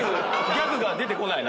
ギャグが出てこないな。